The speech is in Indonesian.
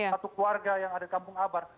satu keluarga yang ada di kampung abar